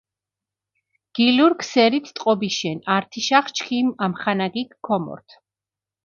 გილურქ სერით ტყობიშენ, ართიშახ ჩქიმ ამხანაგიქ ქომორთ.